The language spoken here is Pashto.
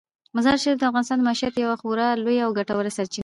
مزارشریف د افغانانو د معیشت یوه خورا لویه او ګټوره سرچینه ده.